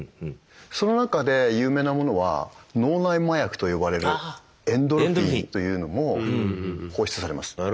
その中で有名なものは脳内麻薬と呼ばれるエンドルフィンというのも放出されます。